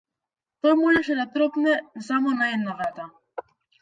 Тој можеше да тропне само на една врата.